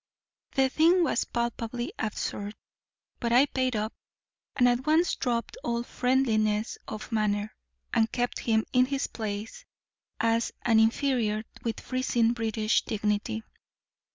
The thing was palpably absurd; but I paid up, and at once dropped all friendliness of manner, and kept him in his place as an inferior with freezing British dignity.